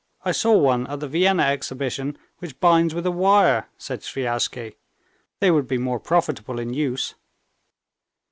I saw one at the Vienna exhibition, which binds with a wire," said Sviazhsky. "They would be more profitable in use."